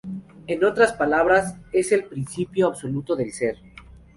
En otras palabras es el Principio Absoluto del Ser.